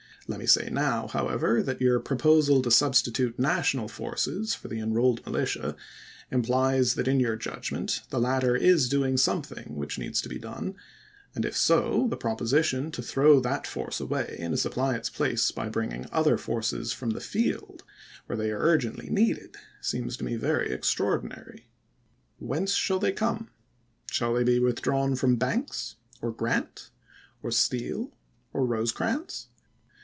Let me say now, however, that your proposal to substi tute National forces for the ''EnroUed Mihtia" implies that in your judgment the latter is doing something which needs to be done ; and if so, the proposition to throw that force away, and to supply its place by bringing other forces from the field where they are urgently needed, seems to me very extraordinary. Whence shall they come ? Shall they be withdrawn from Banks, or Grant, or Steele, or Rosecrans